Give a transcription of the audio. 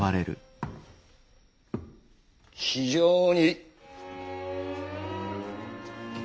非常にッ。